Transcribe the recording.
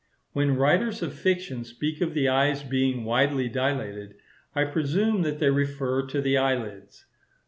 When writers of fiction speak of the eyes being widely dilated, I presume that they refer to the eyelids.